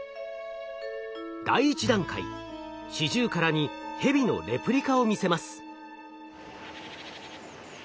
第１段階シジュウカラにヘビのレプリカを見せます。